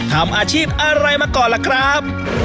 ทำอาชีพอะไรมาก่อนล่ะครับ